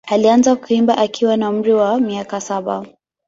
Alianza kuimba akiwa na umri wa miaka saba.